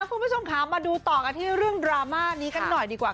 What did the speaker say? คุณผู้ชมค่ะมาดูต่อกันที่เรื่องดราม่านี้กันหน่อยดีกว่า